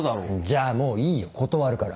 じゃあもういいよ断るから。